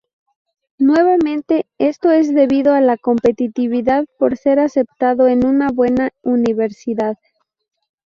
Nuevamente, esto es debido a la competitividad por ser aceptado en una buena universidad.